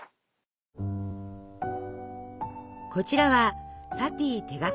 こちらはサティ手書きの楽譜。